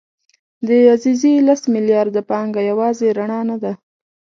د عزیزي لس میلیارده پانګه یوازې رڼا نه ده.